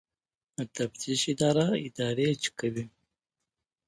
د تفتیش اداره ادارې چک کوي